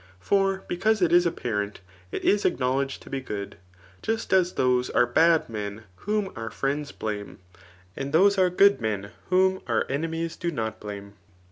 For because it i^ apparent, it is acknowledged to be good } just as those •are bad men whom our friends blame ; and those are good men whom our enemies do not blame.